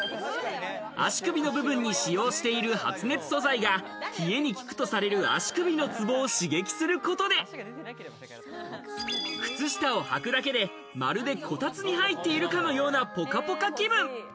足首の部分に使用している発熱素材が冷えに利くとされる足首のツボを刺激することで靴下を履くだけで、まるでコタツに入っているかのようなポカポカ気分。